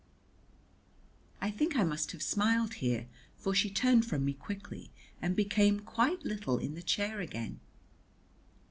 I think I must have smiled here, for she turned from me quickly, and became quite little in the chair again.